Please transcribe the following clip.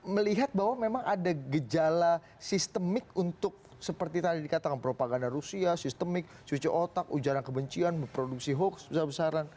melihat bahwa memang ada gejala sistemik untuk seperti tadi dikatakan propaganda rusia sistemik cuci otak ujaran kebencian memproduksi hoax besar besaran